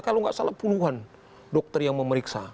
kalau nggak salah puluhan dokter yang memeriksa